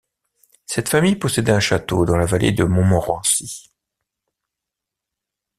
Cette famille possédait un château dans la vallée de Montmorency.